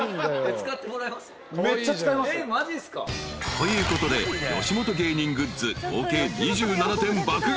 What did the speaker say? ［ということで吉本芸人グッズ合計２７点爆買い。